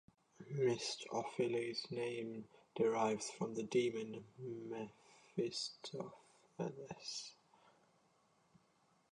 Mistoffelees' name derives from the demon Mephistopheles.